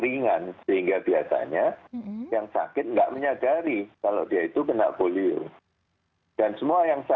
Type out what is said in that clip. yang bisa dilakukan